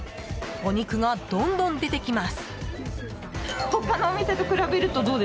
お肉がどんどん出てきます。